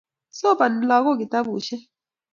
somani lagok kitabushek